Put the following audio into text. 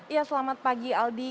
ya selamat pagi aldi